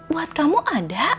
buat kamu ada